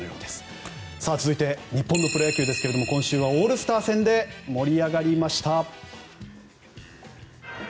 続いて、日本のプロ野球ですが今週はオールスター戦で盛り上がりました。